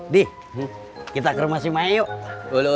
dik kita ke rumah si maya yuk